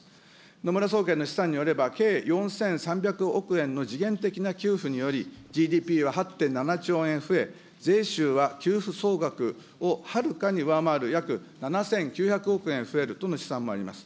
野村総研の試算によれば、計４３００億円の時限的な給付により、ＧＤＰは８．７兆円増え、税収は給付総額をはるかに上回る約７９００億円増えるとの試算もあります。